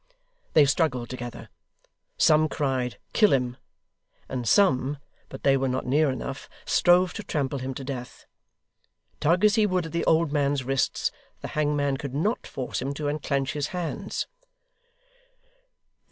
They struggled together. Some cried 'Kill him,' and some (but they were not near enough) strove to trample him to death. Tug as he would at the old man's wrists, the hangman could not force him to unclench his hands.